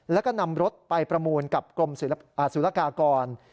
แล้วก็นำรถไปประมูลกับกรมสุรกากร